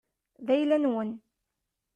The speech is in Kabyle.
D ayla-nwen.